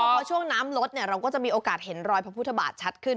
เพราะช่วงน้ำลดเราก็จะมีโอกาสเห็นรอยพระพุทธบาทชัดขึ้น